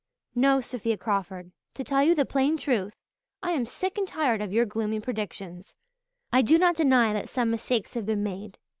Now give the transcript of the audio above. "No, Sophia Crawford, to tell you the plain truth I am sick and tired of your gloomy predictions. I do not deny that some mistakes have been made.